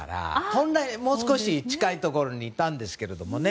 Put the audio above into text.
本来はもう少し近いところにいたんですけれどもね。